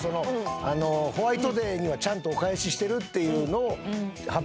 ホワイトデーにはちゃんとお返ししてるっていうのを。